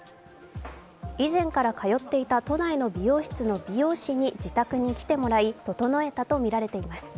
以前から通っていた都内の美容室の美容師に自宅に来てもらい整えたとみられています。